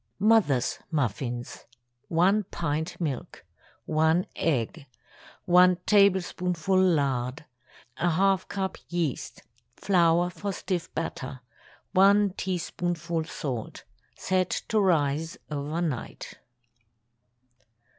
"MOTHER'S" MUFFINS. ✠ 1 pint milk. 1 egg. 1 tablespoonful lard. ½ cup yeast. Flour for stiff batter. 1 teaspoonful salt. Set to rise over night.